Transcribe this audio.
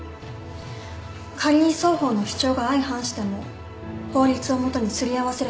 仮に双方の主張が相反しても法律を基にすり合わせればいい。